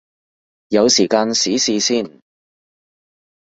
有時間試試先